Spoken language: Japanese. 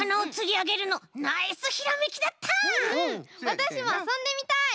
わたしもあそんでみたい！